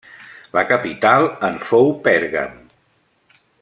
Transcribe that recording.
La capital en fou Pèrgam.